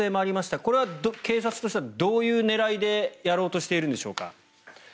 これは警察としてはどういう狙いでやろうとしているんでしょうか。